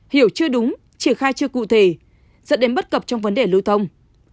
hiểu chưa đúng triển khai chưa cụ thể dẫn đến bất cập trong vấn đề lưu thông